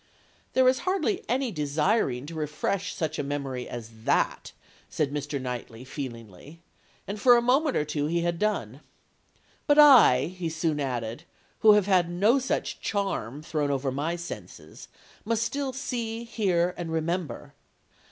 "'There is hardly any desiring to refresh such a memory as that,' said Mr. Knightley, feelingly; and for a moment or two he had done. 'But I,' he soon added, 'who have had no such charm thrown over my senses, must still see, hear, and remember.